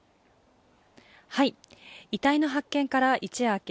遺体の発見から一夜明け